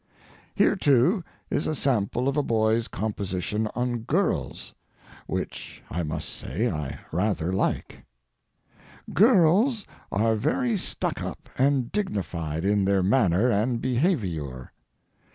Here, too, is a sample of a boy's composition on girls, which, I must say, I rather like: "Girls are very stuckup and dignified in their manner and behaveyour.